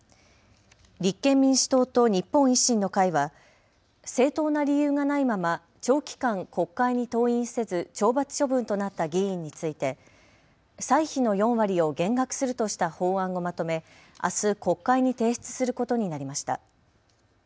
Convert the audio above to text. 立憲民主党と日本維新の会は正当な理由がないまま長期間国会に登院せず懲罰処分となった議員について歳費の４割を減額するとした法案をまとめ、あす国会に提出することになりました。